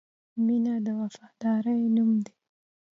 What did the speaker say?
• مینه د وفادارۍ نوم دی.